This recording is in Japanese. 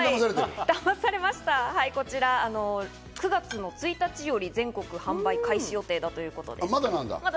こちら、９月の１日より全国販売開始予定だということです。